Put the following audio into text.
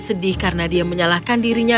sedih karena dia menyalahkan dirinya